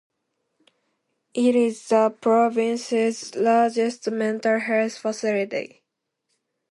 It is the province's largest mental health facility.